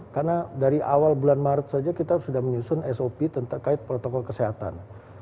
karena dari awal bulan maret saja kita sudah menyusun sop tentang protokol kesehatan